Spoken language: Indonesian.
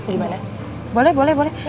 gimana boleh boleh boleh